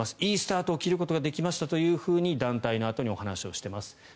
いいスタートを切ることができたと団体のあとにお話をしています。